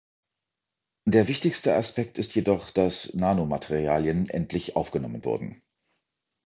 Der wichtigste Aspekt ist jedoch, dass Nanomaterialien endlich aufgenommen wurden.